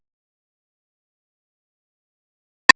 โปรดติดตามต่อไป